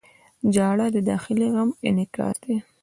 • ژړا د داخلي غم انعکاس دی.